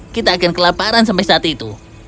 kita akan kelaparan sampai saat itu